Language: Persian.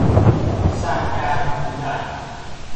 سرگرم بودن